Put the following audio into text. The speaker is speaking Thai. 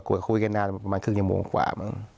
กูกับเขาอย่างนั้นประมาณครึ่งอย่างมองขวา